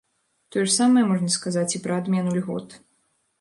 Тое ж самае можна сказаць і пра адмену льгот.